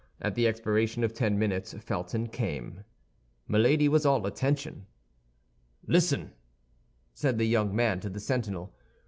At the expiration of ten minutes Felton came. Milady was all attention. "Listen," said the young man to the sentinel.